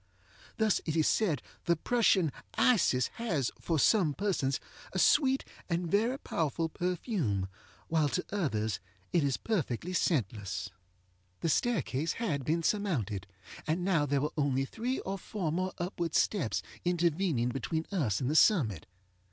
Thus it is said the Prussian Isis has, for some persons, a sweet and very powerful perfume, while to others it is perfectly scentless. The staircase had been surmounted, and there were now only three or four more upward steps intervening between us and the summit.